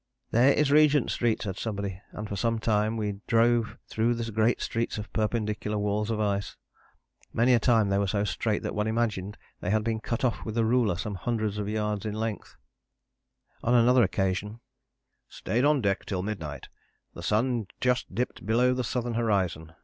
'There is Regent Street,' said somebody, and for some time we drove through great streets of perpendicular walls of ice. Many a time they were so straight that one imagined they had been cut off with a ruler some hundreds of yards in length." [Illustration: MIDNIGHT E. A. Wilson, del.] On another occasion: "Stayed on deck till midnight. The sun just dipped below the southern horizon.